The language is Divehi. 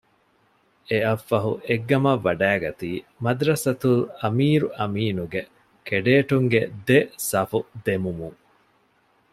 އެއަށްފަހު އެއްގަމަށް ވަޑައިގަތީ މަދްރަސަތުލް އަމީރު އަމީނުގެ ކެޑޭޓުންގެ ދެ ސަފު ދެމުމުން